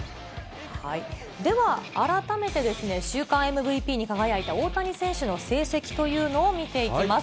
では、改めてですね、週間ＭＶＰに輝いた大谷選手の成績というのを見ていきます。